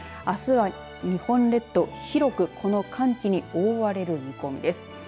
あすは、日本列島、広くこの寒気に覆われる見込みです。